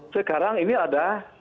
sekarang ini ada